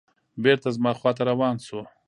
بېرته زما خواته روان شو.